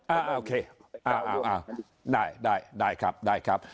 โอเคได้ครับ